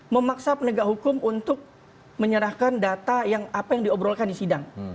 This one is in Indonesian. memaksa penegak hukum untuk menyerahkan data yang apa yang diobrolkan di sidang